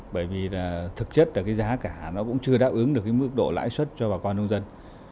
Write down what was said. bởi vì là thực chất là cái giá cả nó cũng chưa đáp ứng được cái mức độ lãi suất cho bà con nông dân